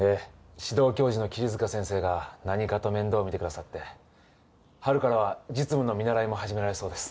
指導教授の桐塚先生が何かと面倒を見てくださって春からは実務の見習いも始められそうです